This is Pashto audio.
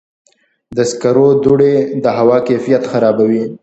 د سکرو دوړې د هوا کیفیت خرابوي.